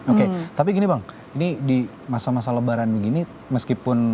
oke tapi gini bang ini di masa masa lebaran begini meskipun